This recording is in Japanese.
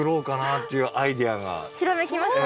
ひらめきました？